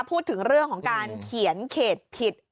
พูดถึงเรื่องของการเขียนเขตผิด